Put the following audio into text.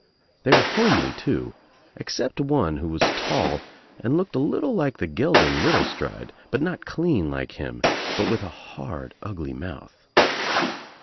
They were homely too, except one who was tall and looked a little like the gelding Middlestride, but not clean like him, but with a hard ugly mouth.